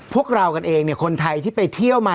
พวกเรากันเองคนไทยที่ไปเที่ยวมา